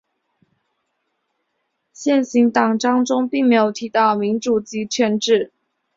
现行党章中并没有提到民主集权制。